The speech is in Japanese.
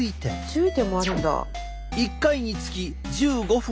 注意点もあるんだ。